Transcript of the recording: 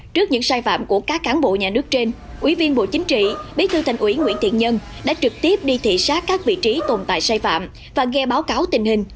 trước những sai phạm của các cán bộ nhà nước trên ủy viên bộ chính trị bí thư thành ủy nguyễn thiện nhân đã trực tiếp đi thị xác các vị trí tồn tại sai phạm và nghe báo cáo tình hình